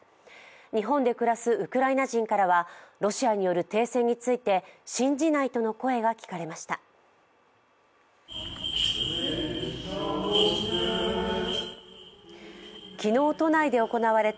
日本で暮らすウクライナ人からはロシアによる停戦について信じないとの声が聞かれました。